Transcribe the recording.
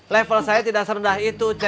level saya tidak serendah itu